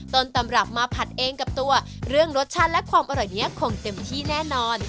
ต้นตำรับมาผัดเองกับตัวเรื่องรสชาติและความอร่อยนี้คงเต็มที่แน่นอน